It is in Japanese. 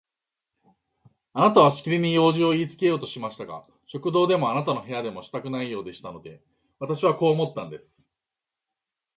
あなたはしきりに用事をいいつけようとされましたが、食堂でもあなたの部屋でもしたくないようでしたので、私はこう思ったんです。